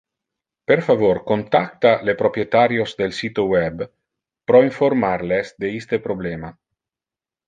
Per favor contacta le proprietarios del sito web pro informar les de iste problema.